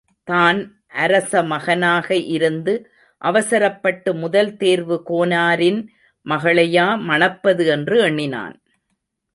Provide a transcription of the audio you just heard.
தான் அரசமகனாக இருந்து அவசரப்பட்டு முதல் தேர்வு கோனாரின் மகளையா மணப்பது என்று எண்ணினான்.